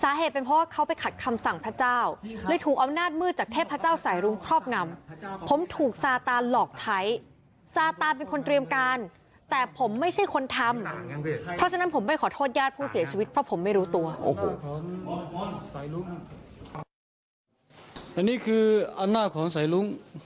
อันนี้คืออันหน้าของใสลุง